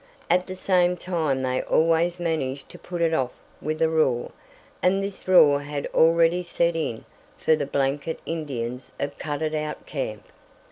At the same time they always managed to put it off with a roar, and this roar had already set in for the Blanket Indians of "Cut it out Camp."